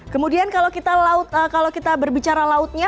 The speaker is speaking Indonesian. kemudian kalau kita berbicara lautnya